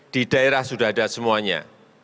di daerah sudah ada semuanya